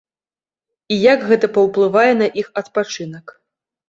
І як гэта паўплывае на іх адпачынак.